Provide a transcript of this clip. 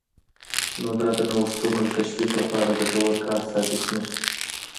نو دا د نوښتونو د تشویق لپاره ګټور کار ثابت نه شو